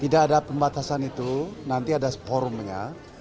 tidak ada pembatasan itu nanti ada forumnya